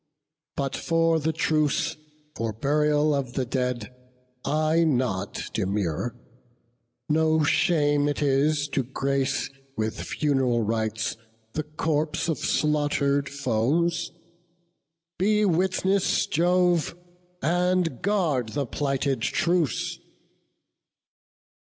But for the truce, for burial of the dead, I nought demur; no shame it is to grace With fun'ral rites the corpse of slaughter'd foes. Be witness, Jove! and guard the plighted truce."